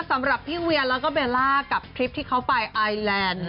สำหรับพี่เวียแล้วก็เบลล่ากับคลิปที่เขาไปไอแลนด์